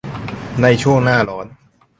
ในช่วงหน้าร้อน